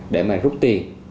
để mà rút tiền